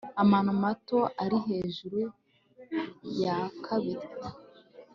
amano mato ari hejuru yakabita